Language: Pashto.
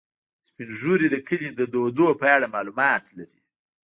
سپین ږیری د کلي د دودونو په اړه معلومات لري